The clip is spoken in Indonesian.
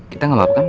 kita gak mau kan